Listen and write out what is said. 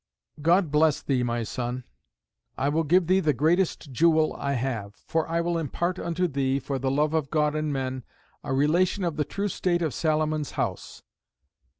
"God bless thee, my son; I will give thee the greatest jewel I have. For I will impart unto thee, for the love of God and men, a relation of the true state of Salomon's House.